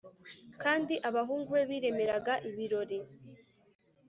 Kandi abahungu be biremeraga ibirori